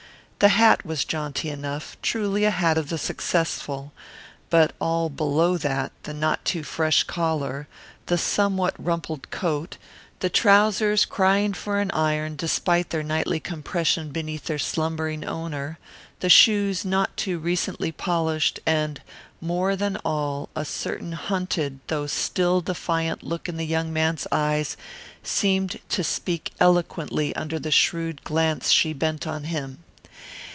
The hat was jaunty enough, truly a hat of the successful, but all below that, the not too fresh collar, the somewhat rumpled coat, the trousers crying for an iron despite their nightly compression beneath their slumbering owner, the shoes not too recently polished, and, more than all, a certain hunted though still defiant look in the young man's eyes, seemed to speak eloquently under the shrewd glance she bent on him.